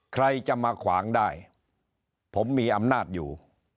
ใครจะมาขวางได้ผมมีอำนาจอยู่